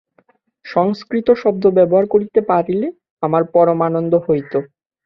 সংস্কৃত শব্দ ব্যবহার করিতে পারিলে আমার পরম আনন্দ হইত।